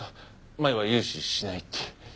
前は融資しないって。